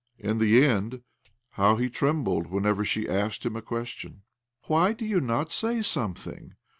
In the end how he trembled whenever she asked him a question !" Why do you not say something